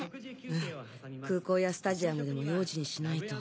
うん空港やスタジアムでも用心しないと。